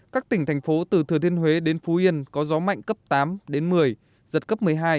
các tỉnh thành phố từ thừa thiên huế đến phú yên có gió mạnh cấp tám đến một mươi giật cấp một mươi hai